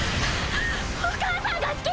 お母さんが好き！